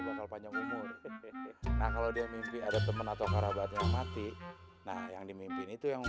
bakal panjang umur nah kalau dia mimpi ada teman atau kerabatnya mati nah yang dimimpin itu yang